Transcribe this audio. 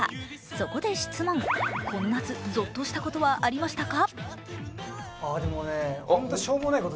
そこで質問、この夏ゾッとしたことはありましたか？